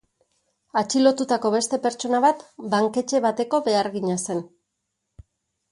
Atxilotutako beste pertsona bat banketxe bateko behargina zen.